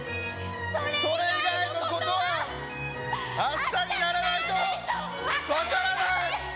それ以外のことは明日にならないと分からない。